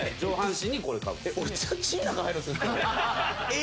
・え！？